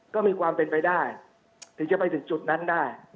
ก็มีความเป็นไปได้ถึงจะไปถึงจุดนั้นได้